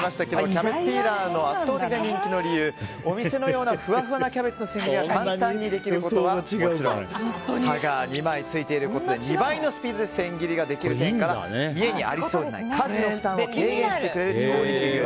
キャベツピーラーの圧倒的な人気の理由お店のようなふわふわなキャベツの千切りが簡単にできることはもちろん刃が２枚ついていることで２倍のスピードで千切りができる点から家にありそうな家事の負担を軽減してくれる調理器具。